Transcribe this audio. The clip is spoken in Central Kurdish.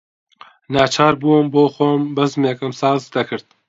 ناچار بووم بۆخۆم بەزمێکم ساز دەکرد